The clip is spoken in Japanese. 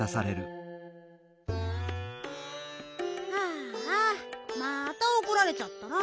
ああまたおこられちゃったな。